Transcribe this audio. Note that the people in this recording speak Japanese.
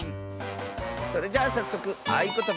それじゃあさっそく「あいことば」。